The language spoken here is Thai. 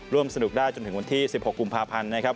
ร่วมสนุกได้จนถึงวันที่๑๖กุมภาพันธ์นะครับ